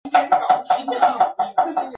右面油箱漏出燃油即时着火。